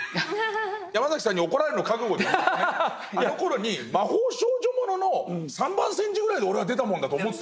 ヤマザキさんに怒られるのを覚悟で言うとねあのころに魔法少女ものの三番煎じぐらいで俺は出たものだと思ってたの。